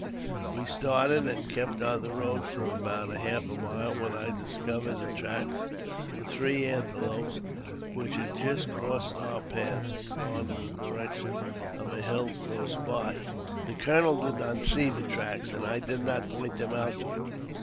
We started, and kept on the road for about half a mile, when I discovered the tracks of three antelopes which had just crossed our path, and gone in the direction of a hill close by. The colonel did not see the tracks, and I did not point them out to him.